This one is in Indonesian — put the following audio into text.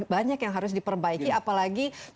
banyak yang harus diperbaiki apalagi